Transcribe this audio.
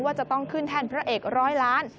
จะต้องขึ้นแทนพระเอกร้อยล้าน